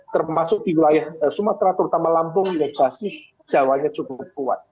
termasuk di wilayah sumatera terutama lampung yang basis jawa nya cukup kuat